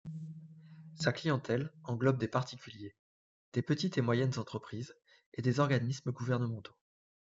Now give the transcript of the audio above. Sa clientèle englobe des particuliers, des petites et moyennes entreprises et des organismes gouvernementaux.